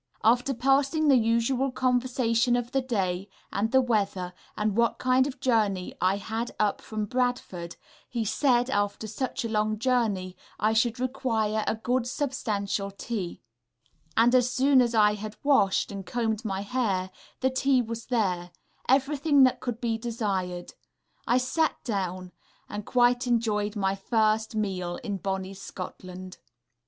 After passing the usual conversation of the day, and the weather, and what kind of journey I had up from Bradford, he said after such a long journey I should require a good, substantial tea; and as soon as I had washed, and combed my hair, the tea was there, everything that could be desired. I sat down, and quite enjoyed my first Scotch meal in Bonnie Scotland....